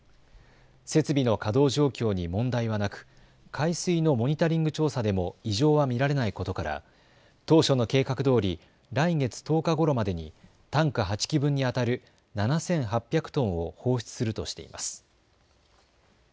設備の稼働状況に問題はなく海水のモニタリング調査でも異常は見られないことから当初の計画どおり来月１０日ごろまでにタンク８基分にあたる７８００トンを放出するとしています。